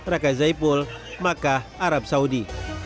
raka zaipul makkah arab saudi